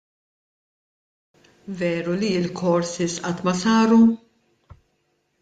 Veru li l-courses qatt ma saru?